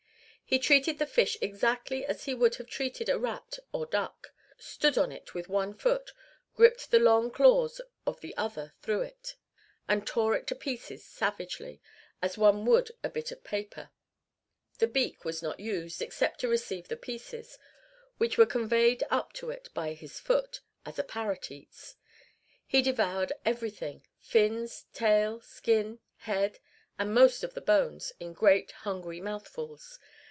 He treated the fish exactly as he would have treated a rat or duck: stood on it with one foot, gripped the long claws of the other through it, and tore it to pieces savagely, as one would a bit of paper. The beak was not used, except to receive the pieces, which were conveyed up to it by his foot, as a parrot eats. He devoured everything fins, tail, skin, head, and most of the bones, in great hungry mouthfuls.